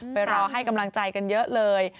ไปรอให้กำลังใจกันเยอะเลย